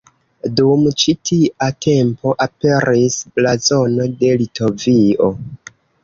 Dum ĉi tia tempo aperis Blazono de Litovio.